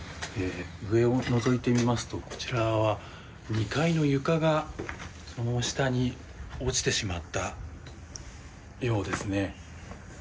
上をのぞいてみますと２階の床がその下に落ちてしまったようですね。